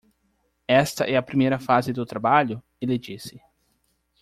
"Esta é a primeira fase do trabalho?" ele disse.